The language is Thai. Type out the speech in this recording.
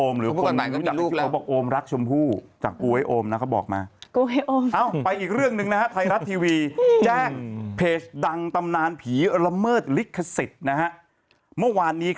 เมื่อก่อนมันดีเจไงเวลาโทรไปหาดีเจเออรักกันนี่แล้วกันนี่